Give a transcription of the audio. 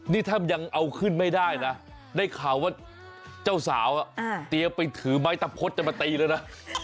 นี่แทบยังเอาขึ้นไม่ได้นะได้ข่าวว่าเจ้าสาวเตรียมไปถือไม้ตะพดจะมาตีแล้วนะ